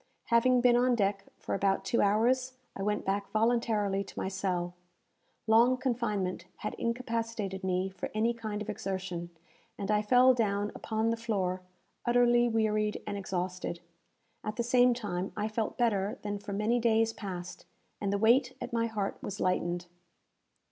Having been on deck for about two hours, I went back voluntarily to my cell. Long confinement had incapacitated me for any kind of exertion, and I fell down upon the floor, utterly wearied and exhausted. At the same time, I felt better than for many days past, and the weight at my heart was lightened.